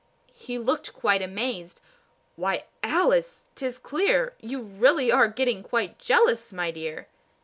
He looked quite amazed, "Why, Alice, 'tis clear You really are getting quite jealous, my dear."